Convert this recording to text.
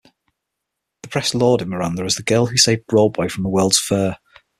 The press lauded Miranda as "the girl who saved Broadway from the World's Fair".